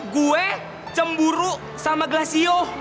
gue cemburu sama gelasio